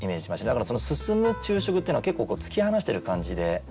だから「進む昼食」っていうのは結構突き放してる感じで。